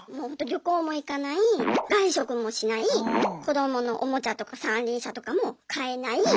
旅行も行かない外食もしない子どものおもちゃとか三輪車とかも買えない。